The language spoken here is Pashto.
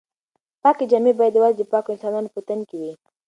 پاکې جامې باید یوازې د پاکو انسانانو په تن کې وي.